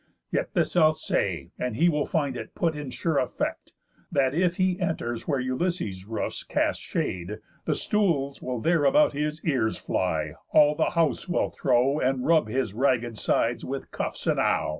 Yet this I'll say, and he will find it put In sure effect, that if he enters where Ulysses' roofs cast shade, the stools will there About his ears fly, all the house will throw, And rub his ragged sides with cuffs enow."